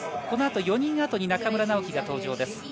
このあと４人あとに中村直幹が登場です。